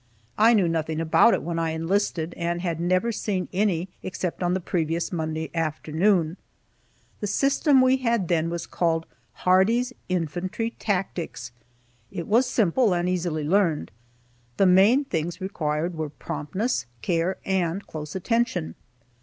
I knew nothing about it when I enlisted, and had never seen any except on the previous Monday afternoon. The system we then had was Hardee's Infantry Tactics. It was simple, and easily learned. The main things required were promptness, care, and close attention.